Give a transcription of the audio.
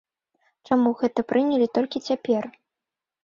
Чаму гэта прынялі толькі цяпер?